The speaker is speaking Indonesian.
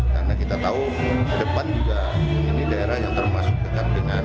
karena kita tahu depan juga ini daerah yang termasuk dekat dengan